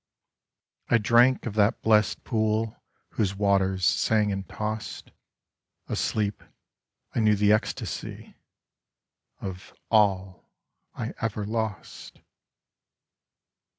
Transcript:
I drank of that blest pool Whose waters sang and tossed. Asleep, I knew the ecstasy Of all I ever lost.